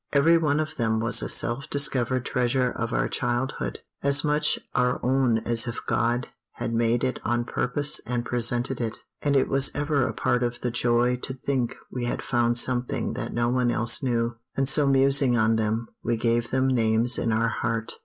Every one of them was a self discovered treasure of our childhood, as much our own as if God had made it on purpose and presented it; and it was ever a part of the joy to think we had found something that no one else knew, and so musing on them, we gave them names in our heart.